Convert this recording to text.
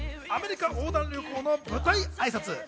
アメリカ横断旅行！』の舞台挨拶。